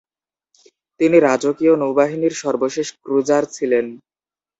তিনি রাজকীয় নৌবাহিনীর সর্বশেষ ক্রুজার ছিলেন।